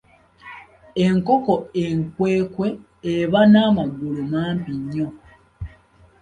Enkoko enkwekwe eba n'amagulu mampi nnyo.